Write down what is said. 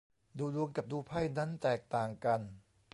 ดูดวงกับดูไพ่นั้นแตกต่างกัน